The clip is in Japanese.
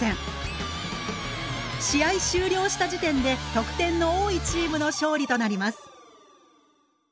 試合終了した時点で得点の多いチームの勝利となります。